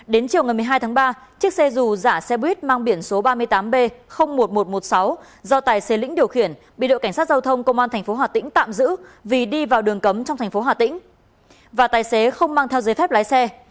đến chiều ngày một mươi hai tháng ba chiếc xe dù giả xe buýt mang biển số ba mươi tám b một nghìn một trăm một mươi sáu do tài xế lĩnh điều khiển bị đội cảnh sát giao thông công an tp hà tĩnh tạm giữ vì đi vào đường cấm trong thành phố hà tĩnh và tài xế không mang theo giấy phép lái xe